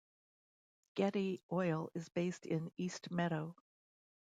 Getty Oil is based in East Meadow.